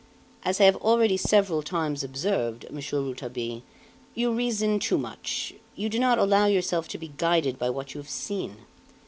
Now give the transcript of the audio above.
As I have already several times observed, Monsieur Rouletabille, you reason too much; you do not allow yourself to be guided by what you have seen.